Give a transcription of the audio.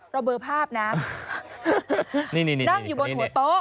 เบอร์ภาพนะนี่นั่งอยู่บนหัวโต๊ะ